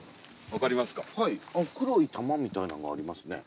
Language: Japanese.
はい黒い玉みたいなんがありますね。